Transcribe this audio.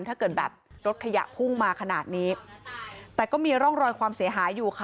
ถ้าเกิดแบบรถขยะพุ่งมาขนาดนี้แต่ก็มีร่องรอยความเสียหายอยู่ค่ะ